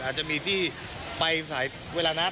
อาจจะมีที่ไปสายเวลานั้น